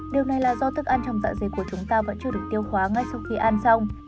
điều này là do thức ăn trong dạng giày của chúng ta vẫn chưa được tiêu hóa ngay sau khi ăn xong